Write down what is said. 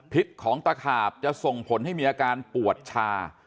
ของตะขาบจะส่งผลให้มีอาการปวดชา